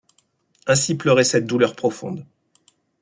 Ainsi pleurait cette douleur profonde.